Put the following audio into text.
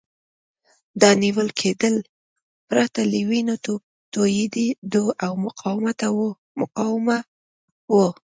دا نیول کېدل پرته له وینو توېیدو او مقاومته وو.